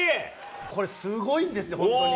これ、すごいんですよ、本当に。